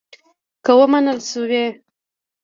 که ومنل شوې.